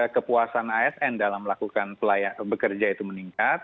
kepuasan asn dalam melakukan bekerja itu meningkat